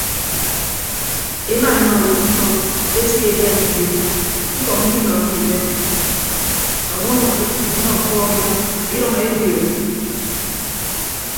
Emaenọ owo mkpọ eseedia ibio ñkọ ñkinọọhọ ibed ọñwọñ afịd ọnyʌñ ọkọọm idʌñ idʌñ eedioo.